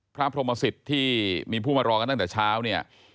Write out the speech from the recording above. พระพรหมสิทธิ์ที่มีผู้มารอกันตั้งแต่เช้าเนี่ย